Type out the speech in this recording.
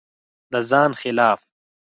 د ځان خلاف